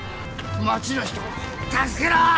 町の人を助けろ！